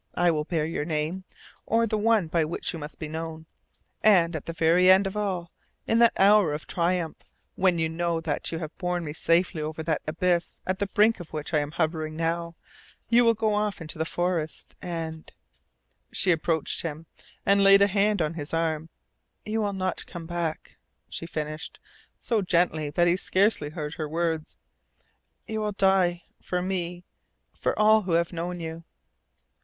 I will bear your name or the one by which you must be known. And at the very end of all, in that hour of triumph when you know that you have borne me safely over that abyss at the brink of which I am hovering now, you will go off into the forest, and " She approached him, and laid a hand on his arm. "You will not come back," she finished, so gently that he scarcely heard her words. "You will die for me for all who have known you."